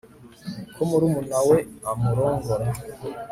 ko murumuna we amurongora